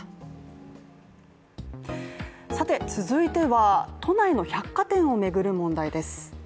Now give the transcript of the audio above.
続いては、都内の百貨店をめぐる問題です。